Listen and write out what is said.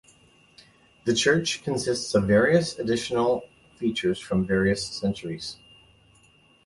The church consists of various additional features from various centuries.